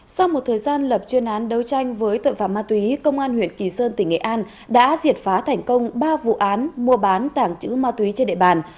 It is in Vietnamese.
sau một thời gian lập chuyên án đấu tranh với tội phạm ma túy công an huyện kỳ sơn tỉnh nghệ an đã triệt phá thành công ba vụ án mua bán tảng chữ ma túy trên địa bàn